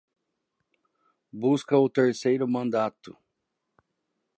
Busca o terceiro mandato